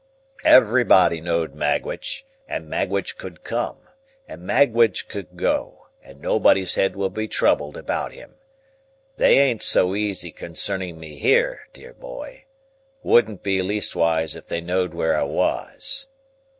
Everybody knowed Magwitch, and Magwitch could come, and Magwitch could go, and nobody's head would be troubled about him. They ain't so easy concerning me here, dear boy,—wouldn't be, leastwise, if they knowed where I was."